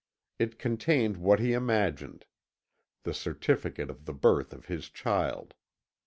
It contained what he imagined the certificate of the birth of his child.